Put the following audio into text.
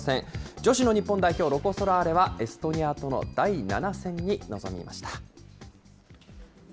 女子の日本代表、ロコ・ソラーレはエストニアとの第７戦に臨みました。